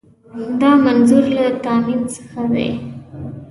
دا منظور له تامین څخه دی.